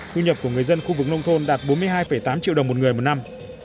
thu nhập của người dân khu vực nông thôn đạt bốn mươi hai tám triệu đồng một người một năm